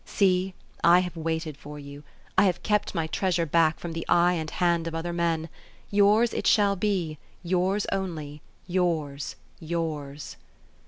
See, I have waited for you. I have kept my treasure back from the eye and hand of other men. Yours it shall be, j^ours only, yours, yours